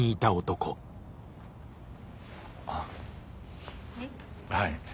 あ。えっ？はい。